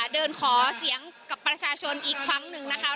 เดินขอเสียงกับประชาชนอีกครั้งหนึ่งนะคะ